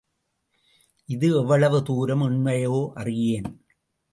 இது எவ்வளவு தூரம் உண்மையோ அறியேன்.